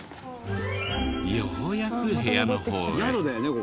ようやく部屋の方へ。